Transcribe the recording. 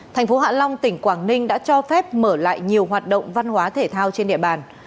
thành phố hạ long tỉnh quảng ninh đã cho phép mở lại nhiều hoạt động văn hóa thể thao trên địa bàn